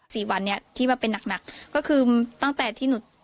สี่วันนี้ที่ว่าเป็นหนักหนักก็คือตั้งแต่ที่หนู